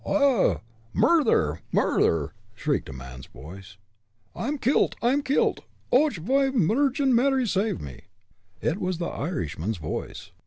"Och! murther murther!" shrieked a man's voice; "I'm kilt! I'm kilt! Och! Holy Vargin Mary save me!" It was the Irishman's voice.